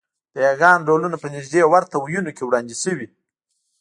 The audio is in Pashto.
د یاګانو ډولونه په نږدې ورته وییونو کې وړاندې شوي